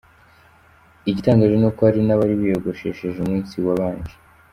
Igitangaje ni uko harimo n’abari biyogoshesheje umunsi wabanje.